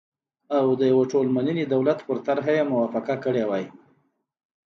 او د يوه ټول منلي دولت په طرحه یې موافقه کړې وای،